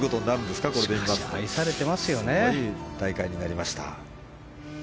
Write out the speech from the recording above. すごい大会になりました。